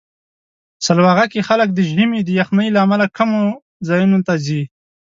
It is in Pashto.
سلواغه کې خلک د ژمي د یخنۍ له امله کمو ځایونو ته ځي.